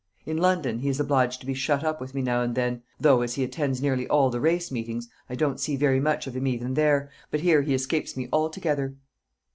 In London he is obliged to be shut up with me now and then; though, as he attends nearly all the race meetings, I don't see very much of him even there; but here he escapes me altogether."